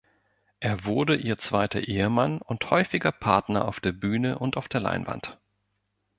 Er wurde ihr zweiter Ehemann und häufiger Partner auf der Bühne und auf der Leinwand.